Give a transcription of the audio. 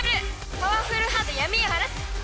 パワフルハートで闇を晴らす！